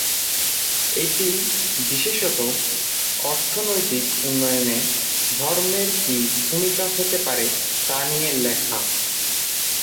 এটি, বিশেষতঃ, অর্থনৈতিক উন্নয়নে ধর্মের কি ভূমিকা হতে পারে তা নিয়ে লেখা।